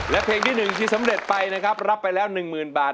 และเพลงที่๑ที่สำเร็จไปนะครับรับไปแล้ว๑๐๐๐บาท